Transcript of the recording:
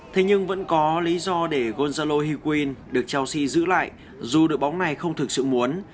thế nhưng vẫn có lý do để gonzalo heguin được chelsea giữ lại dù đội bóng này không thực sự muốn